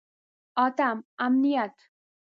اتم: امنیت.